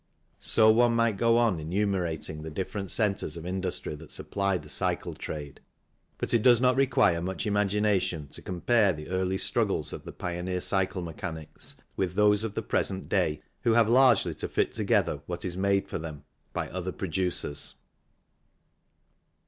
So one might go on enumerating the different centres of industry that supply the cycle trade ; but it does not require much imagination to compare the early struggles of the pioneer cycle mechanics with those of the present day, who have largely to fit together what is made for them by other producers.